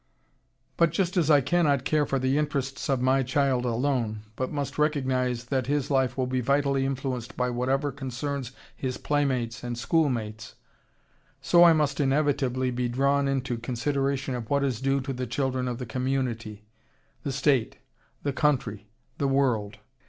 ] But just as I cannot care for the interests of my child alone, but must recognize that his life will be vitally influenced by whatever concerns his playmates and schoolmates, so I must inevitably be drawn into consideration of what is due to the children of the community, the state, the country, the world.